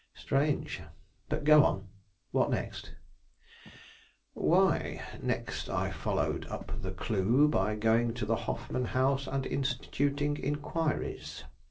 "Strange. But go on what next?" "Why, next I followed up the clue by going to the Hoffman House and instituting inquiries.